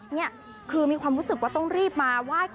นี่คือมีความรู้สึกว่าต้องรีบมาไหว้